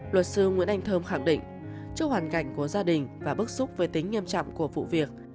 luật sư nguyễn anh thơm khẳng định trước hoàn cảnh của gia đình và bức xúc về tính nghiêm trọng của vụ việc